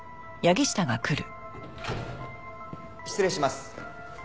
失礼します。